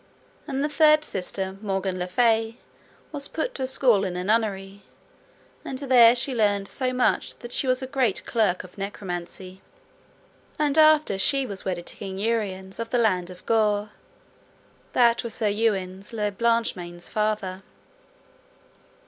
And the third sister Morgan le Fay was put to school in a nunnery, and there she learned so much that she was a great clerk of necromancy. And after she was wedded to King Uriens of the land of Gore, that was Sir Ewain's le Blanchemain's father.